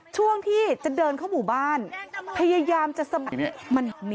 ช่วงที่จะเดินเข้าหมู่บ้านพยายามจะสมัคร